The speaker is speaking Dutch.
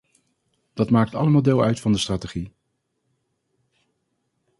Dit maakt allemaal deel uit van de strategie.